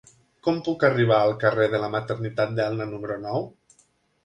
Com puc arribar al carrer de la Maternitat d'Elna número nou?